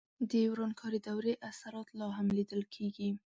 د ورانکارې دورې اثرات لا هم لیدل کېدل.